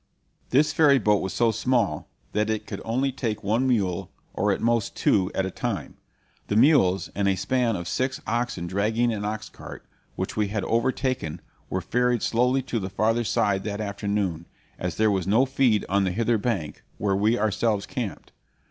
This ferry boat was so small that it could only take one mule, or at most two, at a time. The mules and a span of six oxen dragging an ox cart, which we had overtaken, were ferried slowly to the farther side that afternoon, as there was no feed on the hither bank, where we ourselves camped.